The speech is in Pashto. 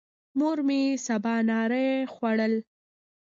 مور مې سبانار خوړل.